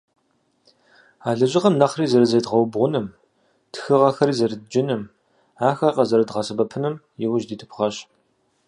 А лэжьыгъэм нэхъри зэрызедгъэубгъуным, тхыгъэхэри зэрыдджыным, ахэр къызэрыдгъэсэбэпыным иужь дитыпхъэщ.